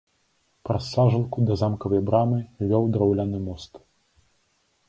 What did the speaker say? Праз сажалку да замкавай брамы вёў драўляны мост.